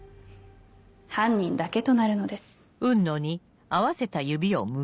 犯人だけとなるのです。